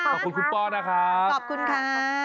ขอบคุณคุณป้อนะครับขอบคุณค่ะ